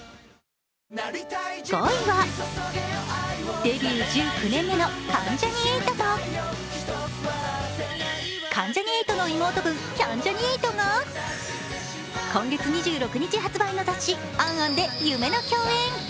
５位はデビュー１０年目の関ジャニ∞と関ジャニ∞の妹分、キャンジャニ∞が今月２６日発売の雑誌「ａｎ・ａｎ」で夢の共演。